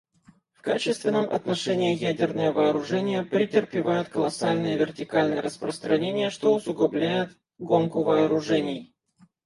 В качественном отношении ядерные вооружения претерпевают колоссальное вертикальное распространение, что усугубляет гонку вооружений.